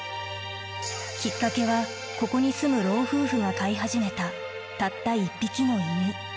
きっかけはここに住む老夫婦が飼い始めたたった１匹の犬。